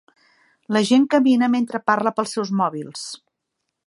La gent camina mentre parla pels seus mòbils.